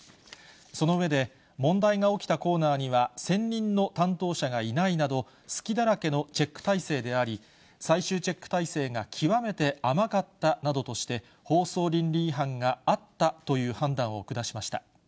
その上で、問題が起きたコーナーには、専任の担当者がいないなど、隙だらけのチェック体制であり、最終チェック体制が極めて甘かったなどとして、放送倫理違反があったという判断を下しました。